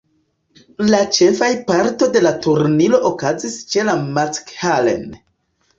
La ĉefaj parto de la turniro okazis ĉe Mackhallen.